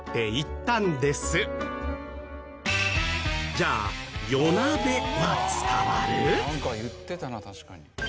じゃあ「夜なべ」は伝わる？